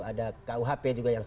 ada kuhp juga